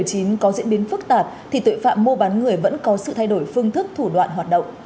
trong thời điểm dịch bệnh covid một mươi chín có diễn biến phức tạp thì tuệ phạm mua bán người vẫn có sự thay đổi phương thức thủ đoạn hoạt động